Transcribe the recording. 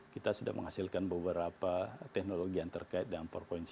kita sudah menghasilkan beberapa teknologi yang terkait dengan empat